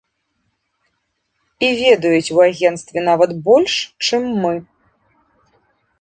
І ведаюць у агенцтве нават больш, чым мы.